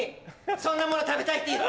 そんなもの食べたいって言って！